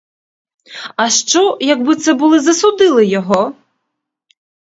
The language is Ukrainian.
А що, якби це були засудили його?